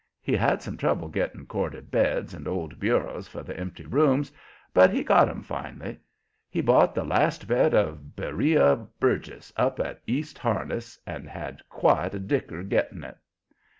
He had some trouble getting corded beds and old bureaus for the empty rooms, but he got 'em finally. He bought the last bed of Beriah Burgess, up at East Harniss, and had quite a dicker getting it.